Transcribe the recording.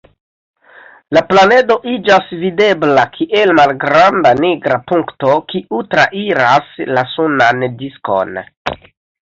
La planedo iĝas videbla kiel malgranda nigra punkto, kiu trairas la sunan diskon.